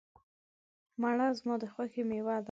مڼه زما د خوښې مېوه ده.